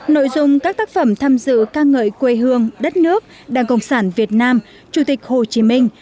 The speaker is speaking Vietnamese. nội dung các tác phẩm tham dự ca ngợi quê hương đất nước đảng cộng sản việt nam chủ tịch hồ chí minh